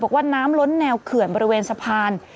บอกว่าน้ำล้นแนวเขื่อนบริเวณสะพาน